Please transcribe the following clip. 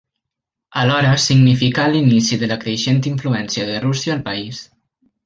Alhora significà l'inici de la creixent influència de Rússia al país.